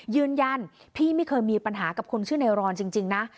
ยืนยันพี่ไม่เคยมีปัญหากับคนชื่อในรอนจริงนะ